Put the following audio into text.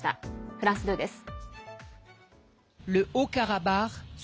フランス２です。